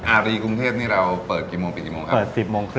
อารีกรุงเทพนี่เราเปิดกี่โมงปิดกี่โมงครับ